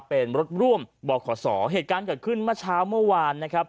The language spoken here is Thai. เป็นรถร่วมบขศเหตุการณ์เกิดขึ้นเมื่อเช้าเมื่อวานนะครับ